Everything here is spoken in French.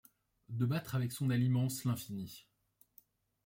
De battre avec son aile immense l'infini